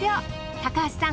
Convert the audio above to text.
高橋さん